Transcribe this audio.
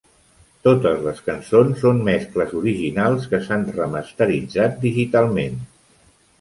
Totes les cançons són mescles originals que s'han remasteritzat digitalment.